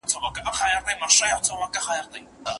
يو کس د رسول الله سره ناست وو، چي زوی ئې راغلی.